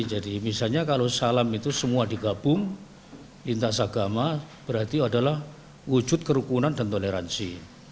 jadi misalnya kalau salam itu semua digabung lintas agama berarti adalah wujud kerukunan dan toleransi